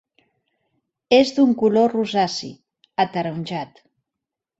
És d'un color rosaci, ataronjat.